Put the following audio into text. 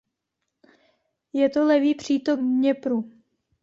Je to levý přítok Dněpru.